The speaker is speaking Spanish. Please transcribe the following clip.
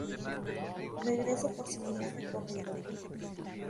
Regreso: Por similar recorrido.